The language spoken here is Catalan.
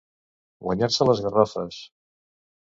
Guanyar-se les garrofes.